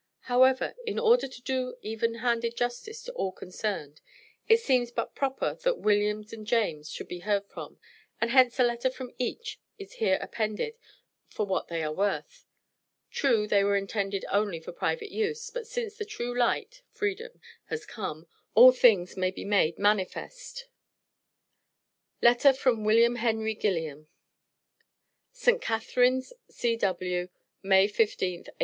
However, in order to do even handed justice to all concerned, it seems but proper that William and James should be heard from, and hence a letter from each is here appended for what they are worth. True they were intended only for private use, but since the "True light" (Freedom) has come, all things may be made manifest. LETTER FROM WILLIAM HENRY GILLIAM. ST. CATHARINES, C.W., MAY 15th, 1854.